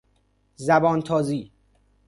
زبان تازی